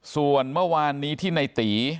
ส่วนเมื่อวานนี้ที่ในตี